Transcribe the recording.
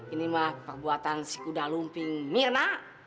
ini mah perbuatan si kuda lumping mirna